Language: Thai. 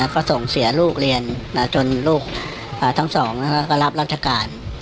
ก็ส่งเสียลูกเรียนจนลูกทั้งสองก็รับราชการ